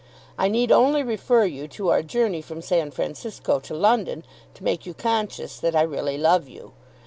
I need only refer you to our journey from San Francisco to London to make you conscious that I really love you.